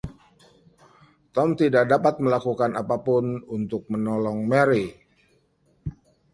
Tom tidak dapat melakukan apapun untuk menolong Mary.